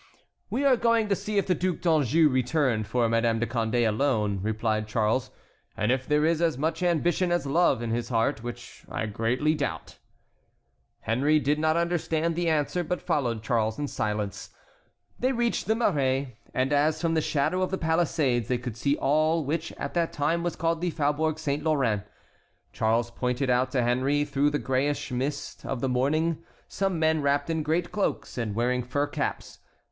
"We are going to see if the Duc d'Anjou returned for Madame de Condé alone," replied Charles, "and if there is as much ambition as love in his heart, which I greatly doubt." Henry did not understand the answer, but followed Charles in silence. They reached the Marais, and as from the shadow of the palisades they could see all which at that time was called the Faubourg Saint Laurent, Charles pointed out to Henry through the grayish mist of the morning some men wrapped in great cloaks and wearing fur caps.